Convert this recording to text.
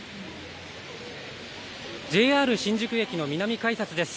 ＪＲ新宿駅の南改札です。